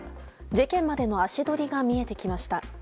事件までの足取りが見えてきました。